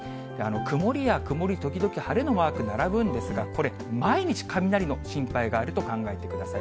曇りや曇り時々晴れのマーク並ぶんですが、これ、毎日、雷の心配があると考えてください。